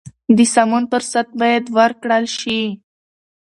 د سمون فرصت باید ورکړل شي.